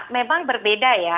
memang berbeda ya